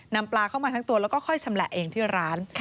นำปลาเข้ามาทั้งตัวแล้วก็ค่อยชำแหละเองที่ร้าน